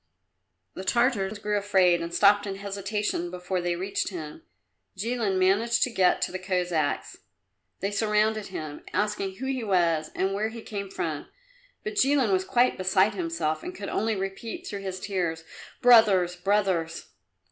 The Tartars grew afraid and stopped in hesitation before they reached him. Jilin managed to get to the Cossacks. They surrounded him, asking who he was and where he came from, but Jilin was quite beside himself and could only repeat, through his tears, "Brothers, brothers!"